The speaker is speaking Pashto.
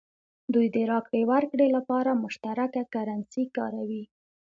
دوی د راکړې ورکړې لپاره مشترکه کرنسي کاروي.